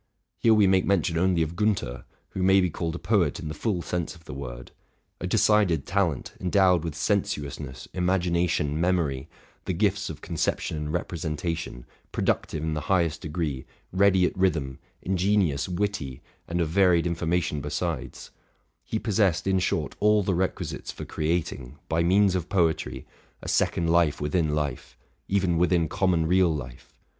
Here we make mention only of Giinther, who may be called a poet in the full sense of the word. A decided talent, endowed with sensuousness, imagination, memory, the gifts of conception and represen tation, productive in the highest degree, ready at rhythm, ingenious, witty, and of varied information besides, — he possessed, in short, all the requisites for creating, by means of poetry, a second life within life, even within common real life.